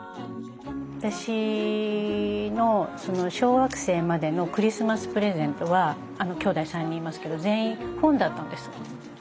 私の小学生までのクリスマスプレゼントはきょうだい３人いますけど全員本だったんです。